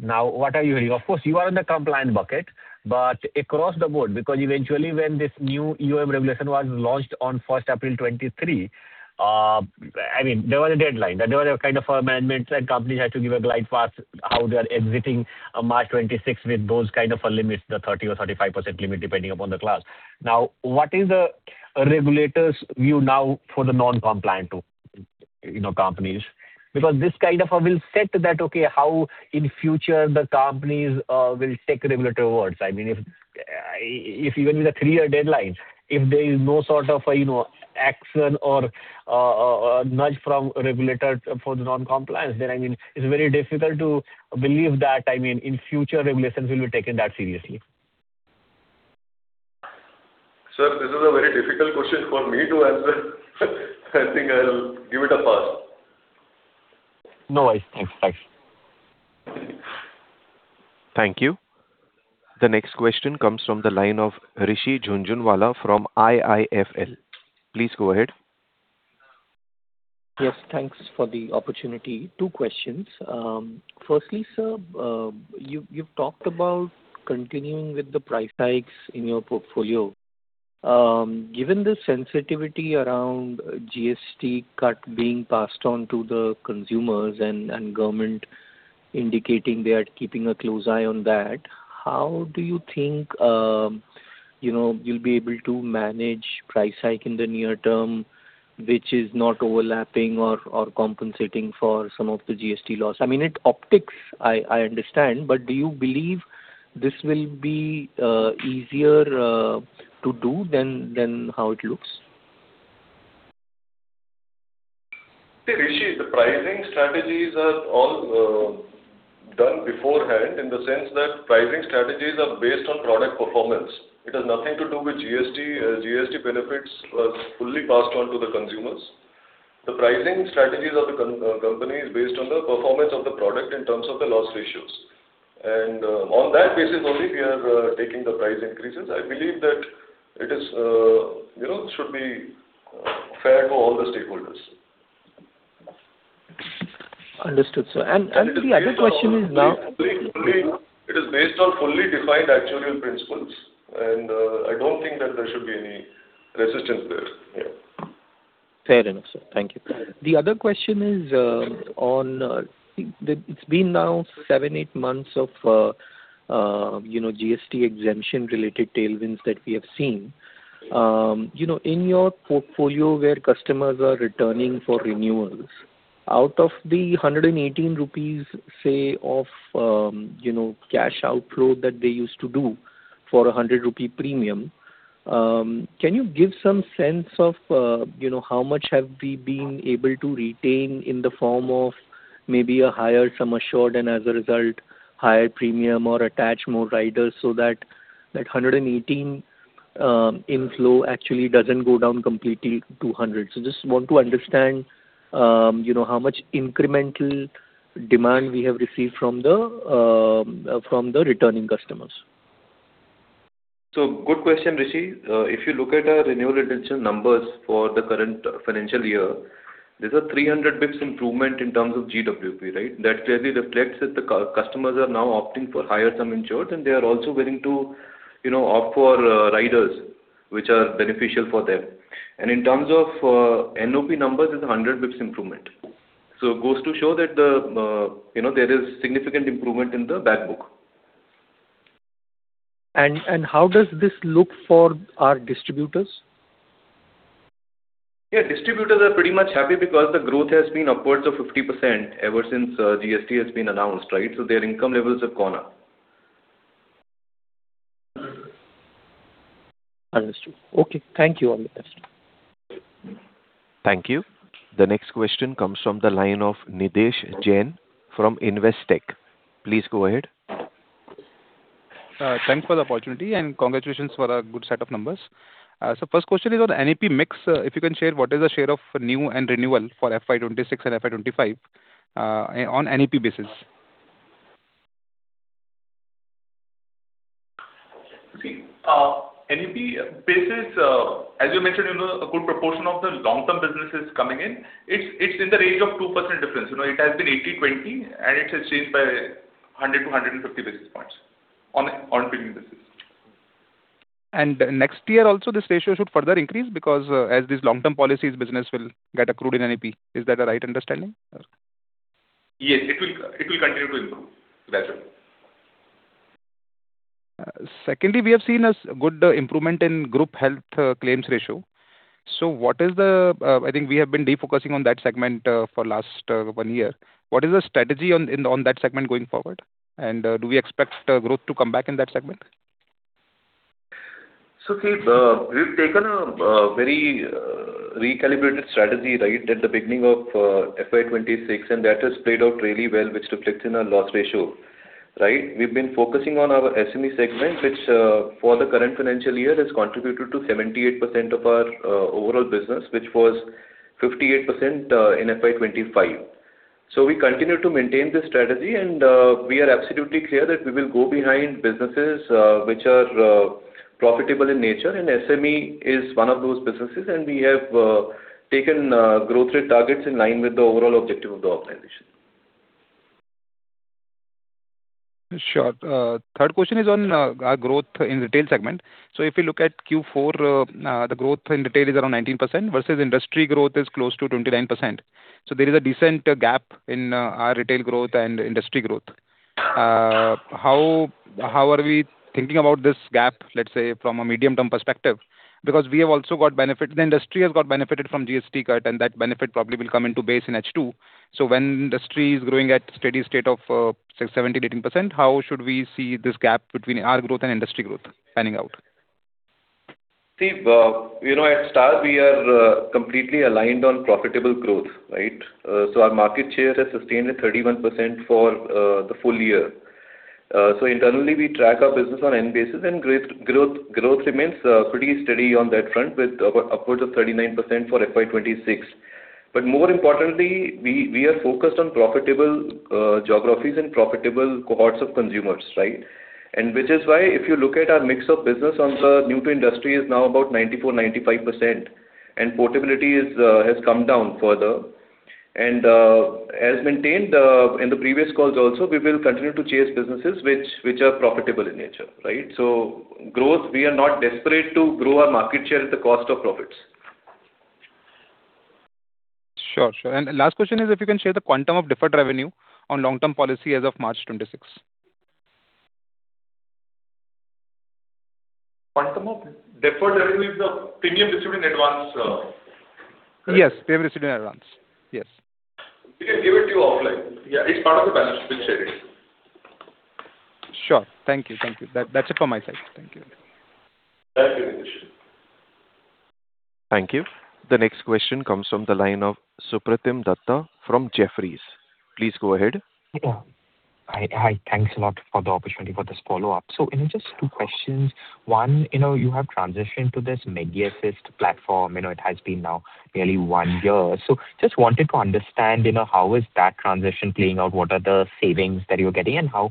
What are you hearing? Of course, you are in the compliant bucket, but across the board, because eventually when this new EoM regulation was launched on 1st April 2023, I mean, there was a deadline. There were kind of amendments and companies had to give a glide path how they are exiting on March 26th with those kind of limits, the 30% or 35% limit, depending upon the class. What is the regulator's view now for the non-compliant, you know, companies? Because this kind of a will set that, okay, how in future the companies will take regulatory awards. I mean, if even with a three-year deadline, if there is no sort of, you know, action or a nudge from regulator for the non-compliance, I mean, it's very difficult to believe that, I mean, in future regulations will be taken that seriously. Sir, this is a very difficult question for me to answer. I think I'll give it a pass. No worries. Thanks. Bye. Thank you. The next question comes from the line of Rishi Jhunjhunwala from IIFL. Please go ahead. Yes, thanks for the opportunity. Two questions. firstly, sir, you've talked about continuing with the price hikes in your portfolio. Given the sensitivity around GST cut being passed on to the consumers and government indicating they are keeping a close eye on that, how do you think, you know, you'll be able to manage price hike in the near term, which is not overlapping or compensating for some of the GST loss? I mean, it optics, I understand, but do you believe this will be easier to do than how it looks? See, Rishi, the pricing strategies are all done beforehand in the sense that pricing strategies are based on product performance. It has nothing to do with GST. GST benefits are fully passed on to the consumers. The pricing strategies of the company is based on the performance of the product in terms of the loss ratios. On that basis only we are taking the price increases. I believe that it is, you know, should be fair to all the stakeholders. Understood, sir. The other question is now. It is based on fully defined actuarial principles, and I don't think that there should be any resistance there. Yeah. Fair enough, sir. Thank you. The other question is, on, it's been now seven, eight months of, you know, GST exemption related tailwinds that we have seen. You know, in your portfolio where customers are returning for renewals, out of the 118 rupees, say, of, you know, cash outflow that they used to do for a 100 rupees premium, can you give some sense of, you know, how much have we been able to retain in the form of maybe a higher sum assured and as a result, higher premium or attach more riders so that 118 inflow actually doesn't go down completely to 100. Just want to understand, you know, how much incremental demand we have received from the returning customers. Good question, Rishi. If you look at our renewal retention numbers for the current financial year. There's a 300 bps improvement in terms of GWP, right? That clearly reflects that the customers are now opting for higher sum insured, and they are also willing to, you know, opt for riders which are beneficial for them. And in terms of NOP numbers, it's a 100 bps improvement. It goes to show that the, you know, there is significant improvement in the back book. How does this look for our distributors? Yeah, distributors are pretty much happy because the growth has been upwards of 50% ever since GST has been announced, right? Their income levels have gone up. Understood. Okay. Thank you, Amit. Thank you. The next question comes from the line of Nidhesh Jain from Investec. Please go ahead. Thanks for the opportunity, and congratulations for a good set of numbers. First question is on NEP mix. If you can share what is the share of new and renewal for FY 2026 and FY 2025 on NEP basis. See, NEP basis, as you mentioned, you know, a good proportion of the long-term business is coming in. It's in the range of 2% difference. You know, it has been 80/20, and it has changed by 100-150 basis points on premium basis. Next year also this ratio should further increase because as these long-term policies business will get accrued in NEP. Is that the right understanding? Yes, it will, it will continue to improve. That's right. Secondly, we have seen a good improvement in group health claims ratio. I think we have been defocusing on that segment for last one year. What is the strategy on that segment going forward? Do we expect growth to come back in that segment? See, we've taken a very recalibrated strategy, right, at the beginning of FY 2026, and that has played out really well, which reflects in our loss ratio, right? We've been focusing on our SME segment, which for the current financial year, has contributed to 78% of our overall business, which was 58% in FY 2025. We continue to maintain this strategy, and we are absolutely clear that we will go behind businesses which are profitable in nature. SME is one of those businesses, and we have taken growth rate targets in line with the overall objective of the organization. Sure. Third question is on our growth in retail segment. If you look at Q4, the growth in retail is around 19% versus industry growth is close to 29%. There is a decent gap in our retail growth and industry growth. How are we thinking about this gap, let's say, from a medium-term perspective? Because the industry has got benefited from GST cut, and that benefit probably will come into base in H2. When industry is growing at steady state of, say 17%-18%, how should we see this gap between our growth and industry growth panning out? See, you know, at Star Health, we are completely aligned on profitable growth, right? Our market share has sustained at 31% for the full year. Internally, we track our business on NEP basis, growth remains pretty steady on that front with upwards of 39% for FY 2026. More importantly, we are focused on profitable geographies and profitable cohorts of consumers, right? Which is why if you look at our mix of business on the new to industry is now about 94%, 95%, portability has come down further. As maintained in the previous calls also, we will continue to chase businesses which are profitable in nature, right? Growth, we are not desperate to grow our market share at the cost of profits. Sure, sure. Last question is if you can share the quantum of deferred revenue on long-term policy as of March 26. Quantum of deferred revenue is the premium received in advance. Yes, premium received in advance. Yes. We can give it to you offline. Yeah, it's part of the balance sheet, we'll share it. Sure. Thank you. Thank you. That's it from my side. Thank you. Thank you, Nidhesh. Thank you. The next question comes from the line of Supratim Datta from Jefferies. Please go ahead. Yeah. Thanks a lot for the opportunity for this follow-up. You know, just two questions. One, you know, you have transitioned to this MediAssist platform. You know, it has been now nearly one year. Just wanted to understand, you know, how is that transition playing out? What are the savings that you're getting? How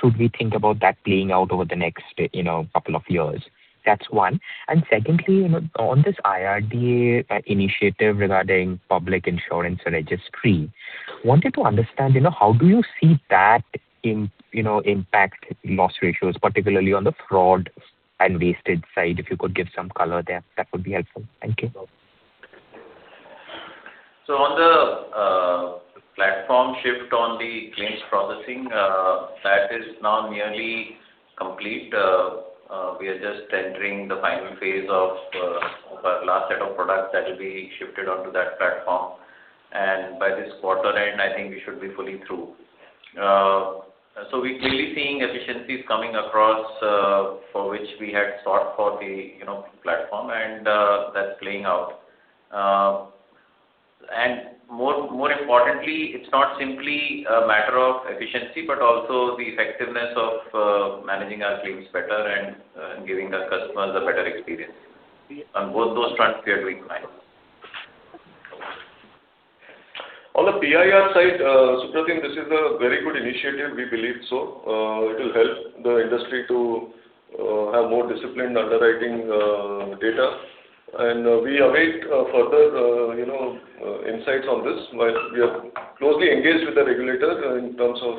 should we think about that playing out over the next, you know, couple years? That's 1. Secondly, you know, on this IRDAI initiative regarding Public Insurance Registry, wanted to understand, you know, how do you see that impact loss ratios, particularly on the fraud and wasted side? If you could give some color there, that would be helpful. Thank you. On the platform shift on the claims processing, that is now nearly complete. We are just entering the final phase of our last set of products that will be shifted onto that platform. By this quarter end, I think we should be fully through. We're clearly seeing efficiencies coming across for which we had sought for the, you know, platform and that's playing out. More, more importantly, it's not simply a matter of efficiency, but also the effectiveness of managing our claims better and giving our customers a better experience. On both those fronts, we are doing fine. On the PIR side, Supratim, this is a very good initiative, we believe so. It will help the industry to have more disciplined underwriting data. We await further, you know, insights on this. We are closely engaged with the regulator in terms of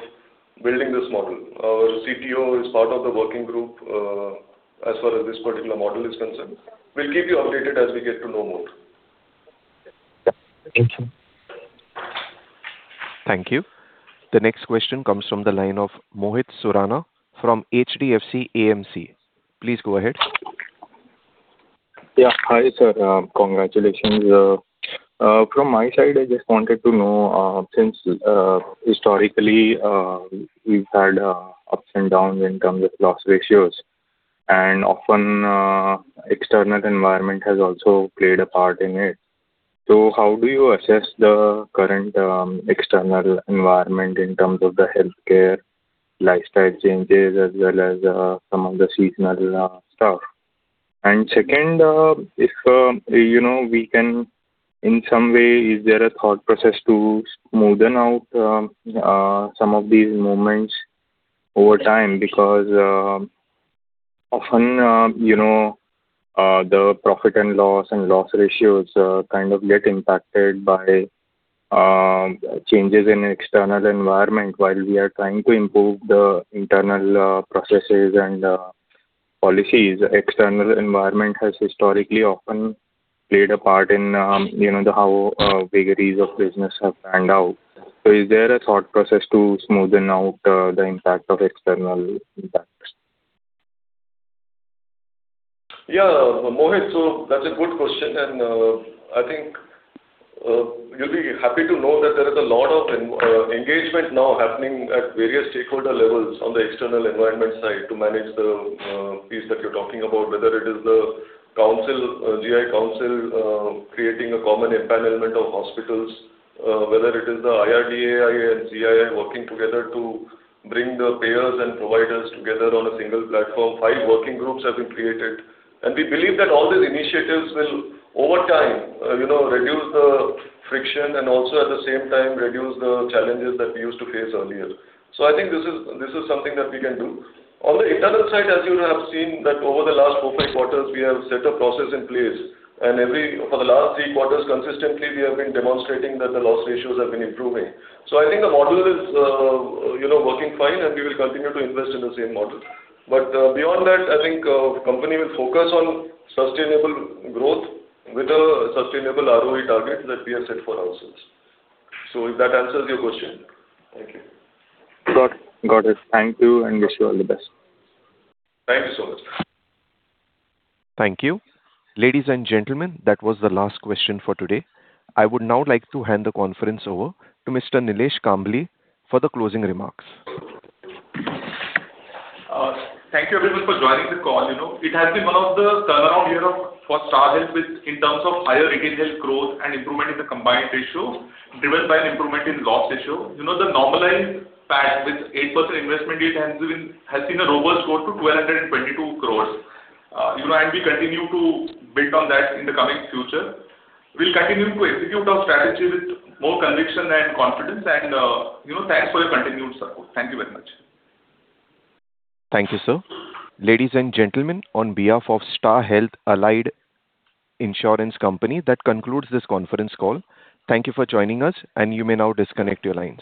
building this model. Our CTO is part of the working group as far as this particular model is concerned. We'll keep you updated as we get to know more. Thank you. Thank you. The next question comes from the line of Mohit Surana from HDFC AMC. Please go ahead. Yeah. Hi, sir. Congratulations. From my side, I just wanted to know, since historically, we've had ups and downs in terms of loss ratios, and often, external environment has also played a part in it. How do you assess the current external environment in terms of the healthcare lifestyle changes as well as some of the seasonal stuff? Second, if, you know, we can in some way, is there a thought process to smoothen out some of these movements over time? Often, you know, the profit and loss and loss ratios kind of get impacted by changes in external environment. While we are trying to improve the internal processes and policies, external environment has historically often played a part in, you know, the how vagaries of business have panned out. Is there a thought process to smoothen out the impact of external impacts? Yeah. Mohit, that's a good question. I think you'll be happy to know that there is a lot of engagement now happening at various stakeholder levels on the external environment side to manage the piece that you're talking about, whether it is the council, GI Council, creating a common empanelment of hospitals, whether it is the IRDAI and CII working together to bring the payers and providers together on a single platform. Five working groups have been created, and we believe that all these initiatives will over time, you know, reduce the friction and also at the same time reduce the challenges that we used to face earlier. I think this is something that we can do. On the internal side, as you have seen that over the last four, five quarters, we have set a process in place. For the last three quarters consistently, we have been demonstrating that the loss ratios have been improving. I think the model is, you know, working fine, and we will continue to invest in the same model. Beyond that, I think, company will focus on sustainable growth with a sustainable ROE target that we have set for ourselves. If that answers your question. Thank you. Got it. Thank you, and wish you all the best. Thank you so much. Thank you. Ladies and gentlemen, that was the last question for today. I would now like to hand the conference over to Mr. Nilesh Kambli for the closing remarks. Thank you everyone for joining the call. You know, it has been one of the turnaround year for Star Health with in terms of higher retail growth and improvement in the combined ratio, driven by an improvement in loss ratio. You know, the normalized PAT with 8% investment yield has seen a robust growth to 222 crores. You know, we continue to build on that in the coming future. We're continuing to execute our strategy with more conviction and confidence, you know, thanks for your continued support. Thank you very much. Thank you, sir. Ladies and gentlemen, on behalf of Star Health and Allied Insurance Company, that concludes this conference call. Thank you for joining us. You may now disconnect your lines.